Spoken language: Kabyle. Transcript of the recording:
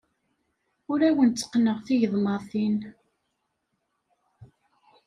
Ur awen-tteqqneɣ tigeḍmatin.